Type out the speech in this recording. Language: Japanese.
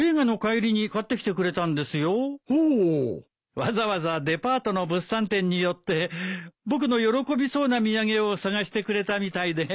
わざわざデパートの物産展に寄って僕の喜びそうな土産を探してくれたみたいで。